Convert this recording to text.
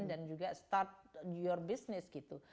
dan juga start your business gitu